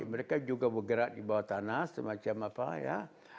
mereka juga bergerak di bawah tanah semacam apa ya